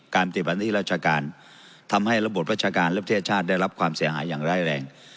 ปฏิบัติหน้าที่ราชการทำให้ระบบราชการและประเทศชาติได้รับความเสียหายอย่างร้ายแรง